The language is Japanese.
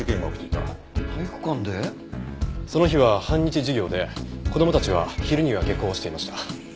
その日は半日授業で子供たちは昼には下校していました。